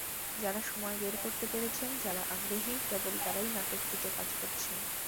যাঁরা সময় বের করতে পেরেছেন, যাঁরা আগ্রহী, কেবল তাঁরাই নাটকটিতে কাজ করছেন।